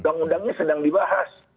undang undangnya sedang dibahas